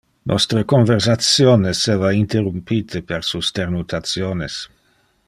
Nostre conversation esseva interrumpite per su sternutationes.